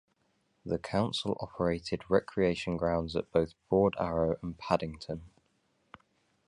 The council operated recreation grounds at both Broad Arrow and Paddington.